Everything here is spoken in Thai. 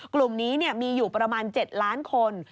กลุ่มนี้มีอยู่ประมาณ๗ล้านคน